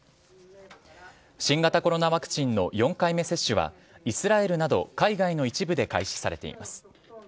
新型コロナワクチンの４回目接種はイスラエルなど海外の一部で開始されています。